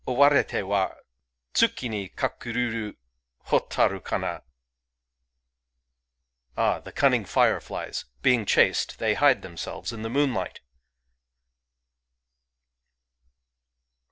Owarete wa Tsuki ni kakururu Hotaru kana ! Ah, [the cunning] fireflies! being chased, they hide themselves in the moonlight